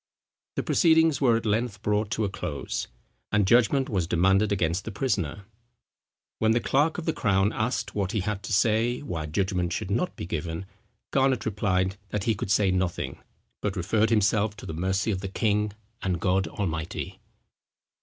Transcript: The proceedings were at length brought to a close; and judgment was demanded against the prisoner. When the clerk of the crown asked what he had to say why judgment should not be given, Garnet replied that "he could say nothing, but referred himself to the mercy of the king and God Almighty."